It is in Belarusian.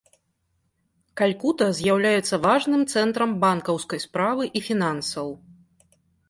Калькута з'яўляецца важным цэнтрам банкаўскай справы і фінансаў.